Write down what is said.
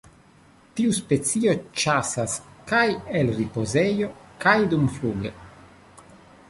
Tiu specio ĉasas kaj el ripozejo kaj dumfluge.